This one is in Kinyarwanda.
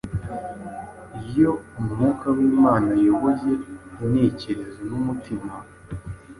Iyo Mwuka w’Imana ayoboye intekerezo n’umutima,